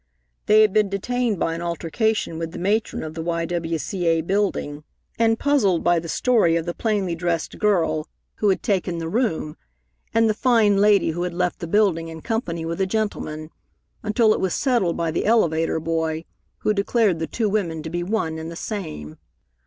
They had been detained by an altercation with the matron of the Y.W.C.A. Building, and puzzled by the story of the plainly dressed girl who had taken the room, and the fine lady who had left the building in company with a gentleman, until it was settled by the elevator boy, who declared the two women to be one and the same.